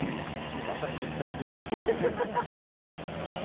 何か、新しいスタイルになっちゃった。